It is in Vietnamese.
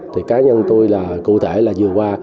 thì cá nhân tôi là cụ thể là vừa qua